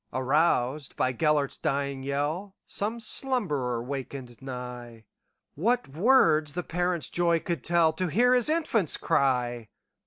Aroused by Gêlert's dying yell, Some slumberer wakened nigh:What words the parent's joy could tellTo hear his infant's cry!